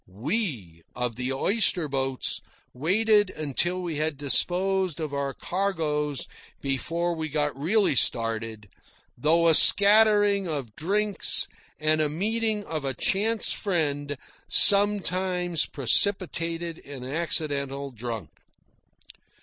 We of the oyster boats waited until we had disposed of our cargoes before we got really started, though a scattering of drinks and a meeting of a chance friend sometimes precipitated an accidental drunk.